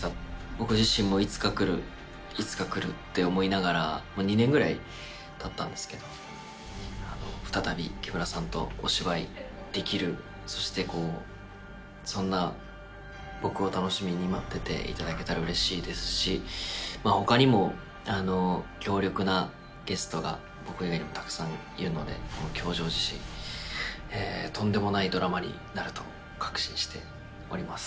僕自身もいつかくるいつかくるって思いながら２年ぐらいたったんですけど再び木村さんとお芝居できるそしてそんな僕を楽しみに待ってていただけたらうれしいですし他にも強力なゲストが僕以外にもたくさんいるので『教場』自身とんでもないドラマになると確信しております。